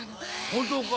本当か？